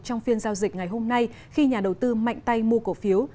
trong phiên giao dịch ngày hôm nay khi nhà đầu tư mạnh tay mua cổ phiếu